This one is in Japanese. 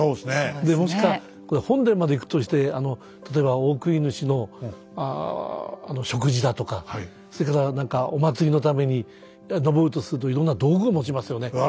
もしか本殿まで行くとして例えばオオクニヌシの食事だとかそれからお祭りのために上るとするといろんな道具を持ちますよね。